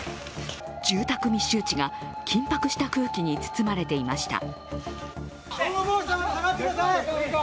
住宅密集地が、緊迫した空気に包まれていました。